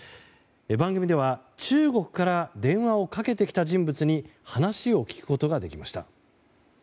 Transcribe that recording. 番組では中国から電話をかけてきた人物に話を聞くことができました。